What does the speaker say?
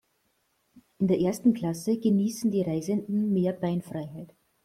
In der ersten Klasse genießen die Reisenden mehr Beinfreiheit.